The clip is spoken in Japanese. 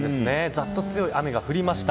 ざっと強い雨が降りました。